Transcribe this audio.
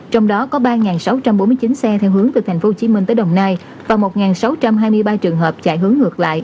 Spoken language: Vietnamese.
trong đó có ba sáu trăm bốn mươi chín xe theo hướng từ tp hcm tới đồng nai và một sáu trăm hai mươi ba trường hợp chạy hướng ngược lại